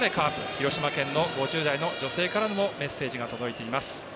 広島県の５０代の女性からもメッセージが届いています。